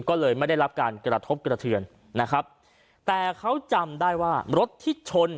ก็เลยไม่ได้รับการกระทบกระเทือนนะครับแต่เขาจำได้ว่ารถที่ชน